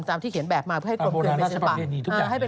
ตามที่เขียนแบบมาเพื่อให้กลมเกืนนะคะ